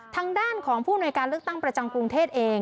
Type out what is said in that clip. ทางด้านของผู้ในการเลือกตั้งประจำกรุงเทพเอง